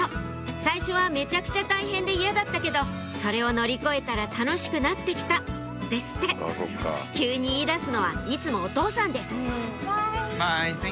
最初はめちゃくちゃ大変で嫌だったけどそれを乗り越えたら楽しくなって来た」ですって急に言い出すのはいつもお父さんですＢｙｅ！